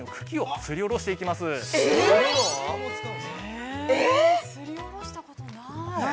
◆すりおろしたことない。